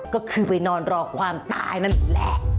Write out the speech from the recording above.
ก็คือไปนอนรอความตายนั่นแหละ